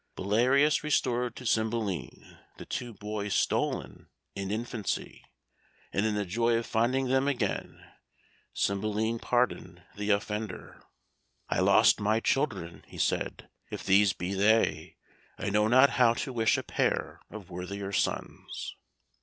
Belarius restored to Cymbeline the two boys stolen in infancy, and in the joy of finding them again, Cymbeline pardoned the offender. "I lost my children," he said; "if these be they, I know not how to wish a pair of worthier sons."